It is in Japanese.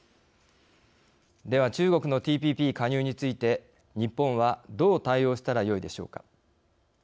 では中国のＴＰＰ加入について日本はどう対応したらよいでしょうか。